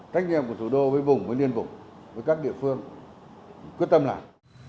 trách nhiệm của thủ đô với vùng với liên vùng với các địa phương quyết tâm làm